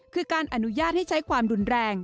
คือการอนุญาตให้ใช้ความรุนแรง